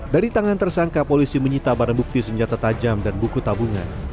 dari tangan tersangka polisi menyita barang bukti senjata tajam dan buku tabungan